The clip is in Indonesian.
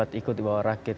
dia ikut di bawah rakit